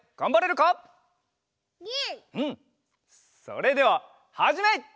それでははじめい！